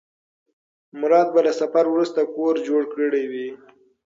مراد به له سفر وروسته کور جوړ کړی وي.